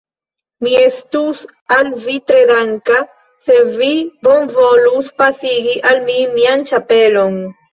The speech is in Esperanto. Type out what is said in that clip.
Mi estus al vi tre danka, se vi bonvolus pasigi al mi mian ĉapelon.